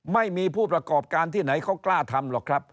ไม่มีผู้ประกอบการที่ไหนเขากล้าทำหรอกครับ